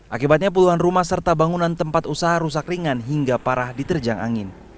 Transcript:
akibatnya puluhan rumah serta bangunan tempat usaha rusak ringan hingga parah diterjang angin